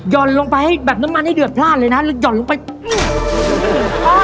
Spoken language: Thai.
่อนลงไปให้แบบน้ำมันให้เดือดพลาดเลยนะแล้วห่อนลงไป